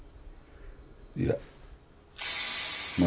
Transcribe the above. いやまあ